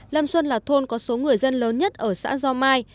lâm xuân là thôn có số người dân lớn nhất ở xã do mai